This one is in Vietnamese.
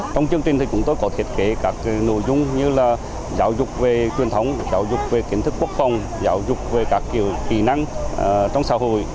trong chương trình thì chúng tôi có thiết kế các nội dung như là giáo dục về truyền thống giáo dục về kiến thức quốc phòng giáo dục về các kỹ năng trong xã hội